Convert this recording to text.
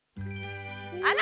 あら！